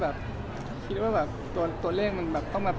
เขาจริงรู้จักกันมาก